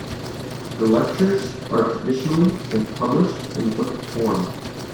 The lectures are traditionally been published in book form.